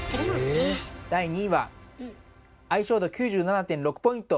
第２位は相性度９７．６ポイント！